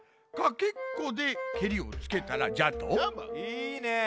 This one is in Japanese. いいね。